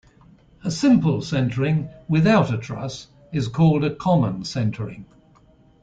A simple centering without a truss is called a common centering.